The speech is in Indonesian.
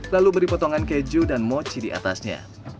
lalu beri potongan keju dan mochi di atasnya